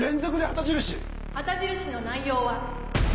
⁉旗印の内容は。